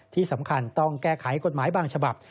ที่สำคัญต้องแก้ไขกฎหมายบางฉบับ